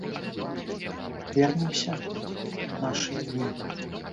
Вернемся ў нашыя дні.